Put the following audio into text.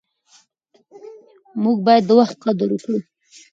موږ باید د وخت قدر وکړو.